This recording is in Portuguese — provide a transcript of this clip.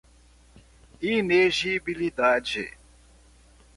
inexigibilidade